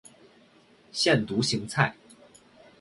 腺独行菜